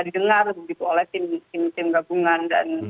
didengar begitu oleh tim gabungan dan